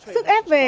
sức ép về